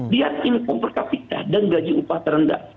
biar income per capita dan gaji upah terendah